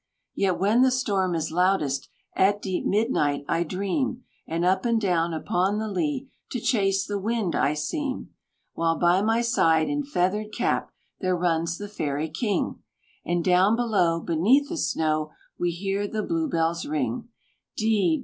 "Yet when the storm is loudest, At deep midnight I dream, And up and down upon the lea To chase the wind I seem; While by my side, in feathered cap, There runs the Fairy King, And down below, Beneath the snow, We hear the Blue bells ring D!